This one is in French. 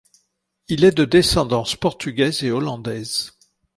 Il est de descendance portugaise et hollandaise.